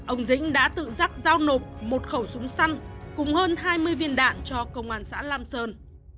ông dĩnh đã tự giác giao nộp một khẩu súng săn cùng hơn hai mươi viên đạn cho công an xã lam sơn